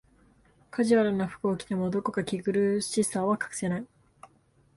カジュアルな服を着ても、どこか堅苦しさは隠せない